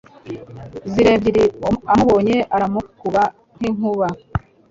Nzira ebyiri amubonye aramukuba nk'inkuba,